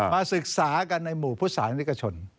ศึกษากันในหมู่พุทธศาสนิกชน